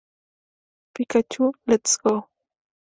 Pikachū・Let's Go!